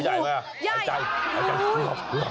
แก่หัวเขาใหญ่มากเลย